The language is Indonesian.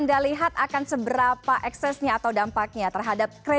dikonspirasi dan juga penyelidikan